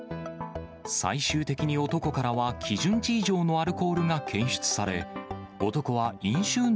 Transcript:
最終的に男からは基準値以上のアルコールが検出され、男は飲酒運